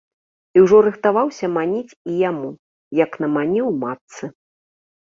І ўжо рыхтаваўся маніць і яму, як наманіў матцы.